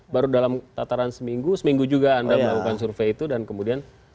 baru dalam tataran seminggu seminggu juga anda melakukan survei itu dan kemudian